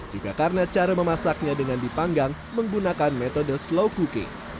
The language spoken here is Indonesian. juga karena cara memasaknya dengan dipanggang menggunakan metode slow cooking